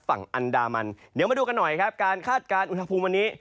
ฝั่งอันดามันเดี๋ยวมาดูกันหน่อยครับการคาดการณ์อุณหภูมิวันนี้